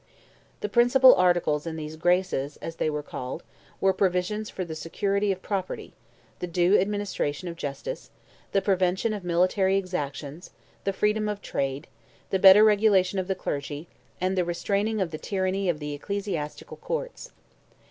The principal articles in these 'graces,' as they were called, were provisions for the security of property, the due administration of justice, the prevention of military exactions, the freedom of trade, the better regulation of the clergy, and the restraining of the tyranny of the ecclesiastical courts.